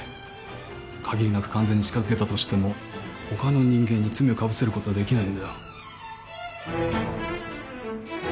限りなく完全に近づけたとしても他の人間に罪をかぶせることはできないんだよ。